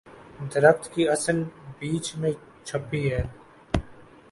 درخت کی اصل بیج میں چھپی ہے۔